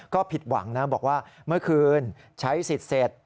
ก็ผิดหวังนะบอกว่าเมื่อคืนใช้สิทธิ์เสร็จ